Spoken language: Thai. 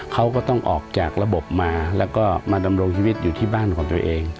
เขาก็ต้องออกจากระบบมาแล้วก็มาดำรงชีวิตอยู่ที่บ้านของตัวเอง